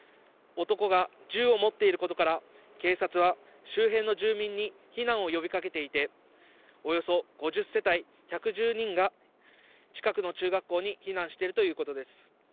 男が銃を持っていることから、警察は周辺の住民に避難を呼びかけていて、およそ５０世帯１１０人が、近くの中学校に避難しているということです。